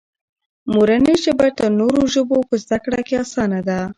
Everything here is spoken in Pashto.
مورنۍ ژبه تر نورو ژبو په زده کړه کې اسانه ده.